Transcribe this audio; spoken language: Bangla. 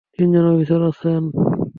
তিনজন অফিসার আছেন।